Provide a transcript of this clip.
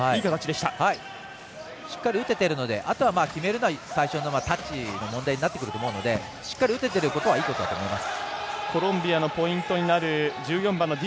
しっかり打てているのであとは決めるのは最初のタッチの問題になってくるのでしっかり打てているのはいいことだと思います。